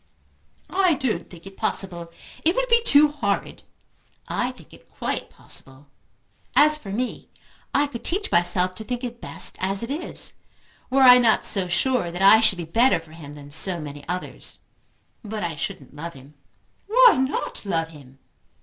"I don't think it possible. It would be too horrid." "I think it quite possible. As for me, I could teach myself to think it best as it is, were I not so sure that I should be better for him than so many others. But I shouldn't love him." "Why not love him?"